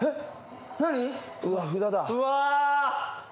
うわ！